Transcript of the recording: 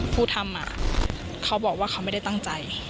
ผู้ทำเขาบอกว่าเขาไม่ได้ตั้งใจ